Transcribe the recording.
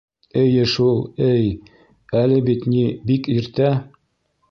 — Эйе шул, эй-й, әле бит, ни, бик иртә.